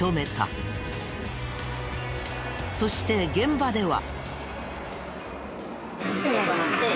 そして現場では。